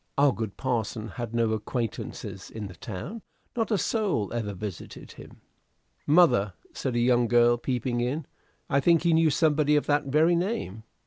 Our good parson had no acquaintances in the town. Not a soul ever visited him." "Mother," said a young girl peeping in, "I think he knew somebody of that very name.